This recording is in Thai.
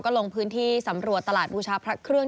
ลงพื้นที่สำรวจตลาดบูชาพระเครื่อง